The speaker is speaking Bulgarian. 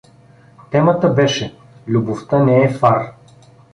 Темата беше „Любовта не е фар“.